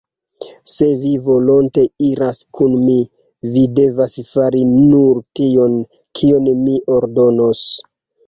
Se vi volonte iras kun mi, vi devas fari nur tion, kion mi ordonos.